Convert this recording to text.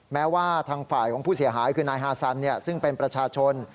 แม้ว่าทางฝ่ายของผู้เสียหายคือนายฮาซันซึ่งเป็นประชาชน